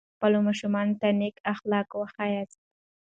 خپلو ماشومانو ته نیک اخلاق وښایاست.